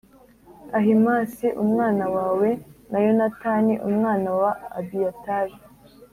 Ahimāsi umwana wawe, na Yonatani umwana wa Abiyatari.